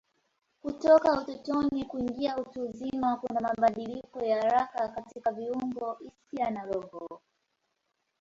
Kutoka utotoni kuingia utu uzima kuna mabadiliko ya haraka katika viungo, hisia na roho.